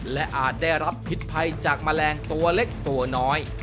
และอาจได้รับพิษภัยจากแมลงตัวเล็กตัวน้อย